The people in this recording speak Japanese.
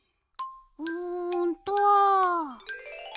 うんっと。